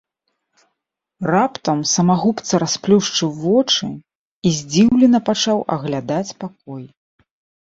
Раптам самагубца расплюшчыў вочы і здзіўлена пачаў аглядаць пакой.